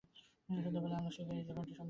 সন্ধ্যাবেলায় আলোকশিখায় এই লিখনটি সমুজ্জ্বল হবে।